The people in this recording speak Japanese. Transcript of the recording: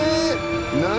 何？